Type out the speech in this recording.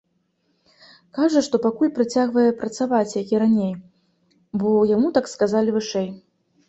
Кажа, што пакуль працягвае працаваць, як і раней, бо яму так сказалі вышэй.